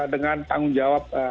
dengan tanggung jawab